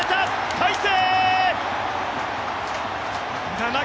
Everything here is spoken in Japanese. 大勢！